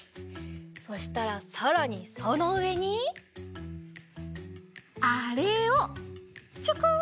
そしたらさらにそのうえにあれをちょこんとのっけちゃうよ！